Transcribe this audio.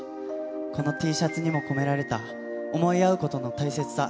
このＴシャツにも込められた、想い合うことの大切さ。